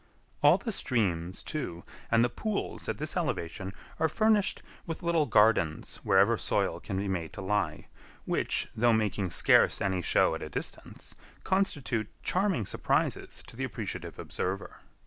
All the streams, too, and the pools at this elevation are furnished with little gardens wherever soil can be made to lie, which, though making scarce any show at a distance, constitute charming surprises to the appreciative observer.